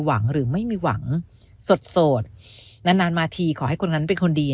หรือไม่มีหวังสดโสดนานนานมาทีขอให้คนนั้นเป็นคนดี